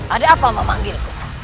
ada apa memanggilku